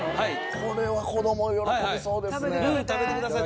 これは子供喜びそうですね。